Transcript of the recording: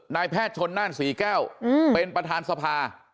นายแพทย์ชนนั่นศรีแก้วเป็นประธานสภา